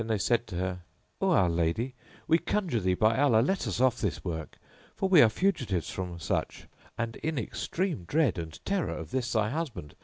They said to her, "O our lady, we conjure thee by Allah, let us off this work, for we are fugitives from such and in extreme dread and terror of this thy husband.